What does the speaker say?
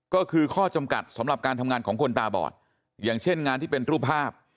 ก็คือข้อจำกัดสำหรับการทำงานของคนตาบอดอย่างเช่นงานที่เป็นรูปภาพ